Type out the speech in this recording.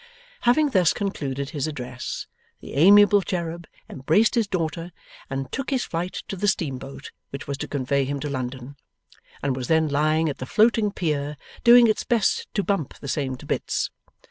Having thus concluded his address, the amiable cherub embraced his daughter, and took his flight to the steamboat which was to convey him to London, and was then lying at the floating pier, doing its best to bump the same to bits.